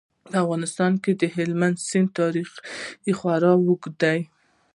په افغانستان کې د هلمند سیند تاریخ خورا اوږد دی.